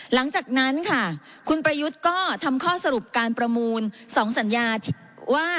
หลังจากนั้นค่ะคุณประยุทธ์ก็ทำข้อสรุปการประมูล๒สัญญาว่า